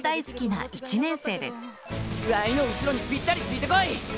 ワイの後ろにぴったりついてこい。